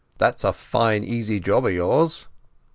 "That's a fine easy job o' yours."